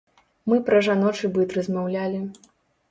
Мы пра жаночы быт размаўлялі.